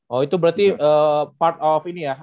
oh itu berarti part of ini ya